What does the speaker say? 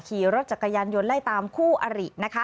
ขี่รถจักรยานยนต์ไล่ตามคู่อรินะคะ